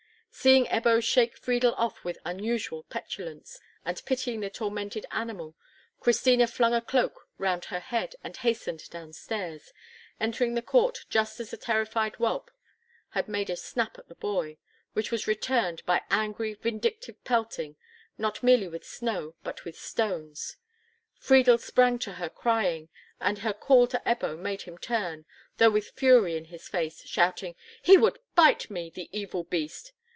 Seeing Ebbo shake Friedel off with unusual petulance, and pitying the tormented animal, Christina flung a cloak round her head and hastened down stairs, entering the court just as the terrified whelp had made a snap at the boy, which was returned by angry, vindictive pelting, not merely with snow, but with stones. Friedel sprang to her crying, and her call to Ebbo made him turn, though with fury in his face, shouting, "He would bite me! the evil beast!"